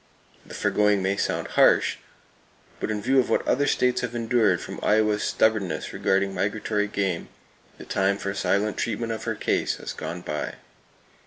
The foregoing may sound harsh, but in view of what other states have endured from Iowa's stubbornness regarding migratory game, the time for silent treatment of her case has gone by.